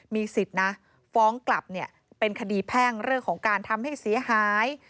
มีสิทธิ์นะฟ้องกลับเป็นคดีแพ่งเรื่องของการทำให้เสียหาย